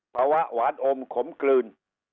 ภาวะหวานอมขมกลืน